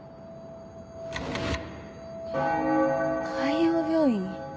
海王病院？